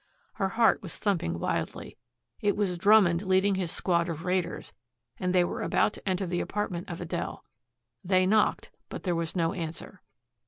Her heart was thumping wildly. It was Drummond leading his squad of raiders, and they were about to enter the apartment of Adele. They knocked, but there was no answer.